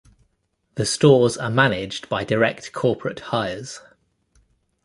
The stores are managed by direct corporate hires.